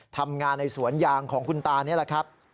ทำงานในสวนยางของคุณตานี่แหละครับ